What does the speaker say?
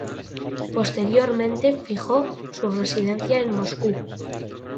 Posteriormente fijó su residencia en Moscú.